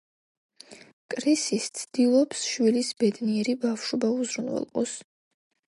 კრისი სცდილობს შვილის ბედნიერი ბავშვობა უზრუნველყოს.